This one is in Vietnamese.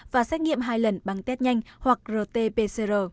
và xét nghiệm hai lần bằng test nhanh hoặc rt pcr